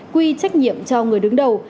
quy trách nhiệm cho người đứng đầu